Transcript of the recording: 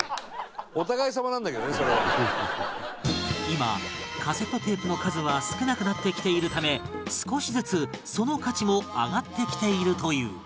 今カセットテープの数は少なくなってきているため少しずつその価値も上がってきているという